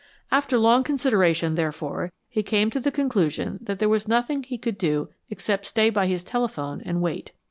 After long consideration, therefore, he came to the conclusion that there was nothing he could do except stay by his telephone and wait.